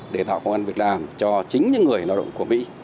để tạo công an việc làm cho chính những người lao động của mỹ